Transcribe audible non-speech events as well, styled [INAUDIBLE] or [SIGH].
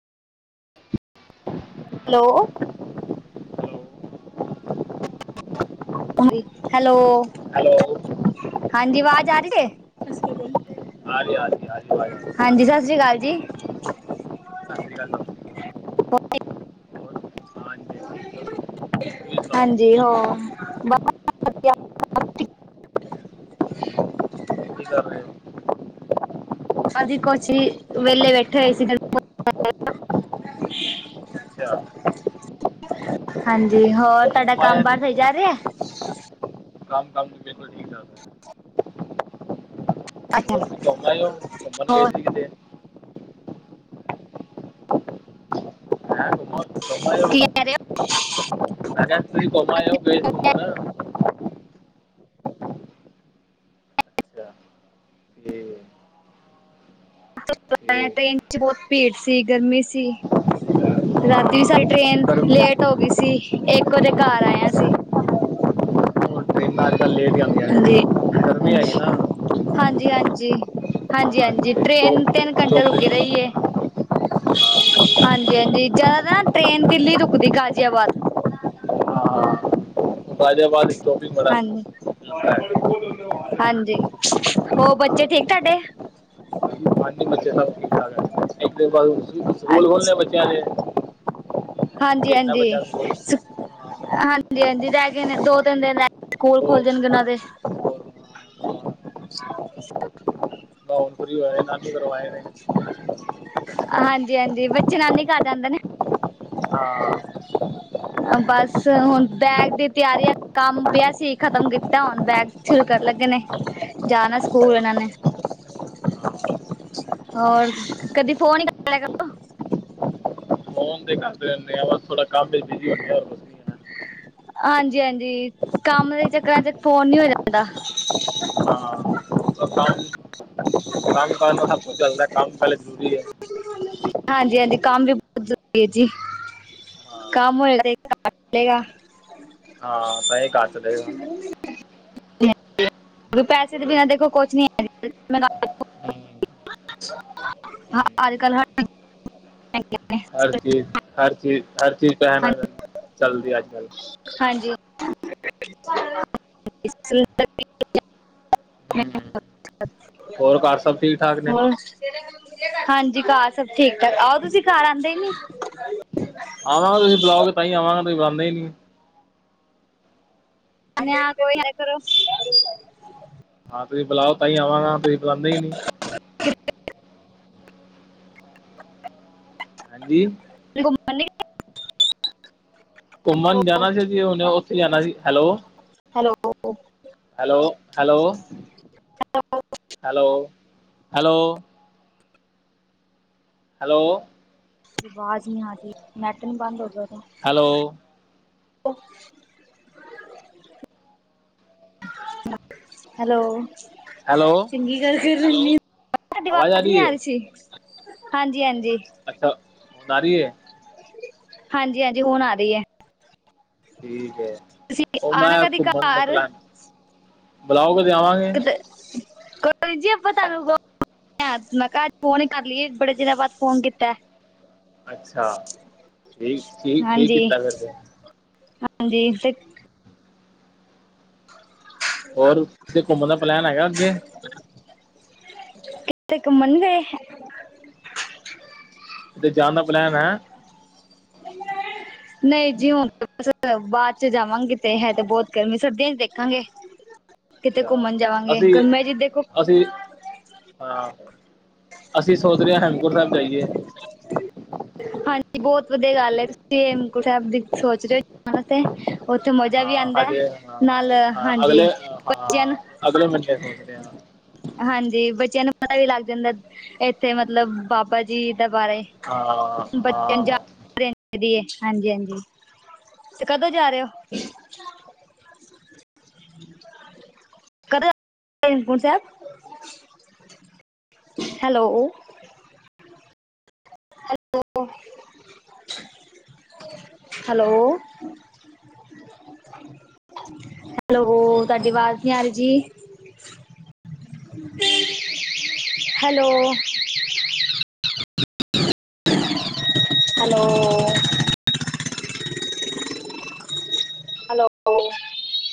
Hello hello hello hello ਹਾਂਜੀ ਆਵਾਜ਼ ਆ ਰਹੀ ਹੈ ਆ ਰਹੀ ਆ ਰਹੀ ਆ ਰਹੀ ਆਵਾਜ਼ ਆ ਰਹੀ ਹਾਂਜੀ ਸਤਿ ਸ਼੍ਰੀ ਅਕਾਲ ਜੀ। ਸਤਿ ਸ਼੍ਰੀ ਅਕਾਲ ਤੁਹਾਨੂੰ। [INAUDIBLE] ਤੁਸੀਂ ਸੁਣਾਓ ਹਾਂਜੀ ਹੋਰ ਬ ਵਧੀ ਕੀ ਕਰ ਰਹੇ ਹੋ? ਹਾਂਜੀ, ਕੋਚੀ ਵੇਲੇ ਬੈਠੇ ਹੋਏ ਸੀ। [INAUDIBLE] ਅੱਛਾ ਠੀਕ ਹੈ ਹਾਂਜੀ, ਹੋਰ ਤੁਹਾਡਾ ਘੁੰਮ ਆਏ ਕੰਮ ਬਾਹਰ ਸਹੀ ਜਾ ਰਿਹਾ। ਕੰਮ ਕੰਮ ਤਾਂ ਬਿਲਕੁਲ ਠੀਕ ਚੱਲ ਰਿਹਾ ਹੈ। ਹੋਰ ਅੱਠਮ ਤੁਸੀਂ ਘੁੰਮ ਆਏ ਹੋ ਘੁੰਮਣ ਗਏ ਸੀ ਕਿਤੇ। ਹੈਂ ਘੁੰਮ ਘੁੰਮ ਆਏ ਹੋ ਕੀ ਕਹਿ ਰਹੇ ਹੋ? ਮੈਂ ਕਿਹਾ ਤੁਸੀਂ ਘੁੰਮ ਆਏ ਓ, ਗਏ ਸੀ ਘੁੰਮਣ ਅੱਛਾ ਠੀਕ ਪਤਾ ਹੈ ਠੀਕ ਟ੍ਰੇਨ ਚ ਬਹੁਤ ਭੀੜ ਸੀ, ਗਰਮੀ ਸੀ। ਰਾਤੀ ਵੀ ਹਾਂ ਸਾਡੀ ਟ੍ਰੇਨ ਗਰਮੀ ਲੇਟ ਹੋਰ ਹੋ ਗਈ ਸੀ, ਇੱਕ ਵਜੇ ਘਰ ਆਏ ਆਂ ਅਸੀਂ। [INAUDIBLE] ਗਰਮੀ ਹੈਗੀ ਨਾ ਹਾਂਜੀ-ਹਾਂਜੀ-ਹਾਂਜੀ-ਹਾਂਜੀ-ਹਾਂਜੀ ਟ੍ਰੇਨ ਤਿੰਨ ਘੰਟੇ ਰੁਕੀ ਰਹੀਏ। ਹਾਂਜੀ-ਹਾਂਜੀ ਜਿਆਦਾ ਨਾ ਟ੍ਰੇਨ ਦਿੱਲੀ ਰੁਕਦੀ ਗਾਜ਼ੀਆਬਾਦ। ਹਾਂ, ਗਾਜ਼ੀਆਬਾਦ ਸਟੋਪ ਈ ਬੜਾ। ਹਾਂਜੀ। ਹਾਂਜੀ, ਹੋਰ ਬੱਚੇ ਠੀਕ ਤੁਹਾਡੇ। ਹਾਂਜੀ ਬੱਚੇ ਸਭ ਠੀਕ- ਠਾਕ ਐ। ਸਕੂਲ ਖੁਲ੍ਹੇ ਬੱਚਿਆਂ ਦੇ ਹਾਂਜੀ-ਹਾਂਜੀ, ਸੁ ਹਾਂਜੀ-ਹਾਂਜੀ, ਰਹਿ ਗਏ ਨੇ ਦੋ ਤਿੰਨ ਦਿਨ ਰਹਿ ਸਕੂਲ ਖੁਲ੍ਹ ਜਾਣਗੇ ਉਹਨਾਂ ਦੇ। [INAUDIBLE] [INAUDIBLE] ਤੇਰੇ ਨਾਂ ਤੀ ਕਰਵਾਏ ਨੇ। ਹਾਂਜੀ-ਹਾਂਜੀ, ਬੱਚੇ ਨਾਨੀ ਕਰ ਜਾਂਦੇ ਨੇ। ਹਾਂ ਬਸ ਹੁਣ ਬੈਗ ਦੀ ਤਿਆਰੀ ਐ ਕੰਮ ਪਿਆ ਸੀ ਖਤਮ ਕੀਤਾ, ਹੁਣ ਬੈਗ ਸ਼ੁਰੂ ਕਰ ਲੱਗੇ ਨੇ ਜਾਣਾ ਅੱਛਾ ਸਕੂਲ ਇਹਨਾਂ ਨੇ ਹੋਰ ਕਦੀ ਫੋਨ ਕਰੋ ਫੋਨ ਤੇ ਕਰਦੇ ਰਹਿੰਦੇ ਹਾਂ ਬਸ ਥੋੜਾ ਕੰਮ ਵਿੱਚ ਬੀਸੀ ਹੁੰਦੇ ਆ ਹੌਰ ਕੁਛ ਨੀ ਹਾਂਜੀ-ਹਾਂਜੀ ਕੰਮ ਦੇ ਚੱਕਰਾਂ ਚ ਹੈ ਫੋਨ ਨੀ ਹੋ ਜਾਂਦਾ [INAUDIBLE] ਹਾਂ [INAUDIBLE] [INAUDIBLE] [INAUDIBLE] ਕੰਮ ਕਾਰ ਨਾਲ ਸਭ ਕੁਛ ਚੱਲਦਾ ਹੈ ਕੰਮ ਪਹਿਲੇ ਜ਼ਰੂਰੀ ਹੈ। ਹਾਂਜੀ-ਹਾਂਜੀ ਕੰਮ ਵੀ ਬਹੁਤ ਜ਼ਰੂਰੀ ਹੈ ਜੀ। ਹਾਂ ਕੰਮ ਹੋਏਗਾ [INAUDIBLE] ਘਰ ਚਲੇਗਾ ਹਾਂ ਤਾਂ ਹੀ ਘਰ ਚਲੇਗਾ। ਰ ਪੈੇਸੇ ਤੇ ਬਿਨਾਂ ਦੇਖੋ ਕੋਛ ਨਹੀ ਹਮ [UNINTELLIGIBLE] ਹਮ [INAUDIBLE] ਅੱਜ ਕਲ ਹਰ ਚੀਜ਼ ਹਰ ਚੀਜ਼ ਹਰ ਚੀਜ਼ ਟਾਈਮ ਹਾਂ- [INAUDIBLE] ਚੱਲਦੀ ਹੈ ਅੱਜ ਕੱਲ। ਹਾਂਜੀ [INAUDIBLE] [INAUDIBLE] ਹਮ [INAUDIBLE] ਹੋਰ ਘਰ ਸਭ ਠੀਕ ਠਾਕ ਨੇ ਹੋਰ ਹਾਂਜੀ ਕਾ ਸਕ ਠੀਕ ਠਾਕ ਆਓ ਤੁਸੀਂ ਘਰ ਆਉਂਦੇ ਹੀ ਨੀ ਕੋਈ ਬੁਲਾਂਦਾ ਹੀ ਨੀ ਹੈ। [INAUDIBLE] [INAUDIBLE] ਹਾਂ ਤੁਸੀਂ ਬੁਲਾਓ ਤਾਈ ਆਵਾਂਗਾ ਬੁਲਾਉਂਦੇ ਹੀ ਨਹੀਂ [INAUDIBLE] [INAUDIBLE] ਹਾਂਜੀ ਘੁੰਮਣ ਨਹੀਂ ਗਏ [INAUDIBLE] ਘੁੰਮਣ ਜਾਣਾ ਸੀ ਅਸੀ ਹੁਨੇ ਉੱਥੇ ਜਾਣਾ ਸੀ hello hello hello hello hello hello hello ਆਵਾਜ਼ ਨਹੀਂ ਆਰੀ ਨੇਟ ਨੀ ਬੰਦ ਹੋ ਗਿਆ ਹੈਲੋ ਉਹ ਹੈਲੋ ਹੈਲੋ - [INAUDIBLE] ਸਾਡੀ ਆਵਾਜ਼ ਨ ਆ ਰਹੀ ਸੀ ਹਾਂਜੀ-ਹਾਂਜੀ ਅੱਛਾ ਆ ਰਹਿ ਐ ਹਾਂਜੀ-ਹਾਂਜੀ ਹੁਣ ਆ ਰਹੀ ਹੈ। ਠੀਕ ਹੈ ਤੁਸੀਂ ਉਹ ਆਣਾ ਮੈਂ ਕਦੀ ਘੁੰਮਣ ਦਾ ਘਰ ਪਲੈਨ ਬੁਲਾਓਗੇ ਤੇ ਆਵਾਂਗੇ। ਕੋ ਨ ਜੀ ਆਪਾਂ ਤੁਹਾਨੂੰ ਮੈਂ ਕਿਹਾਜ [INAUDIBLE] ਫੋਨ ਹੀ ਕਰ ਲਈਏ ਬੜੇ ਚਿਰਾਂ ਬਾਅਦ ਫੋਨ ਕੀਤਾ ਅੱਛਾ ਠੀਕ ਠੀਕ ਠੀਕ ਹਾਂਜੀ ਕੀਤਾ ਫੇਰ ਤੇ। ਹਾਂਜੀ ਤੇ [INAUDIBLE] ਹੋਰ ਕਿਥੇ [INAUDIBLE] ਘੁੰਮਣ ਦਾ ਪਲੈਨ ਹੈਗਾ ਅੱਗੇ ਕਿਤੇ ਘੁੰਮਣ ਨੀ ਗਏ? ਕਿਤੇ ਜਾਣ ਦਾ ਪਲੈਨ ਹੈ? [UNINTELLIGIBLE] [INAUDIBLE] ਨਹੀਂ ਜੀ ਹੁਣ [INAUDIBLE] ਬਾਅਦ ਚ ਜਾਵਾਂਗੇ ਤੇ ਹੈ ਤੇ ਬਹੁਤ ਗਰਮੀ ਸਰਦੀਆਂ ਚ ਦੇਖਾਂਗੇ। ਕਿਤੇ ਅੱਛਾ ਘੁੰਮਣ ਜਾਵਾਂਗੇ ਅਸੀਂ ਗਰਮਿਆ ਚ ਦੇਖੋ। ਅਸੀਂ ਹਾਂ ਅਸੀਂ ਸੋਚ ਰਹੇ ਹਾਂ ਹੇਮਕੁੰਡ ਸਾਹਿਬ ਜਾਈਏ। ਹਾਂਜੀ ਬਹੁਤ ਵਧੀਆ ਗੱਲ ਹੈ ਜੇ ਤੁਸੀਂ ਹੇਮਕੁੰਡ ਸਾਹਿਬ ਦੀ ਸੋਚ ਰਹੇ,, [INAUDIBLE] ਵੀ ਹਾਂ ਆਉਂਦਾ ਹੈ ਅਜੇ ਨਾਲ ਹਾਂ ਹਾਂਜੀ ਅਗਲੇ ਬੱਚਿਆਂ ਨੂੰ ਹਾਂ ਅਗਲੇ ਮੰਡੇ ਸੋਚਦੇ ਆ । ਹਾਂਜੀ ਬੱਚਿਆਂ ਨੂੰ ਪਤਾ ਵੀ ਲੱਗ ਜਾਂਦਾ ਇੱਥੇ ਮਤਲਬ ਬਾਬਾ ਜੀ ਬਾਰੇ ਹਾਂ ਬੱਚਿਆਂ ਨੂੰ ਹਾਂ ਜਾਣ [UNINTELLIGIBLE] ਹਾਂਜੀ -ਹਾਂਜੀ ਤੇ ਕਦੋਂ ਜਾ ਰਏ ਓ। [UNINTELLIGIBLE] ਕਦੇ Hemkunt Sahib hello. Hello. Hello. Hello ਤੁਹਾਡੀ ਆਵਾਜ਼ ਨਈ ਆ ਰੀ ਜੀ । ਹੈਲੋ। ਹੈਲੋ। ਹੈਲੋ।